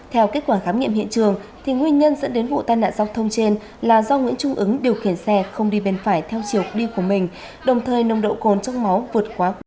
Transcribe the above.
theo kết quả khám nghiệm hiện trường nguyên nhân dẫn đến vụ tai nạn giao thông trên là do nguyễn trung ứng điều khiển xe không đi bên phải theo chiều đi của mình đồng thời nồng độ cồn trong máu vượt quá bốn mươi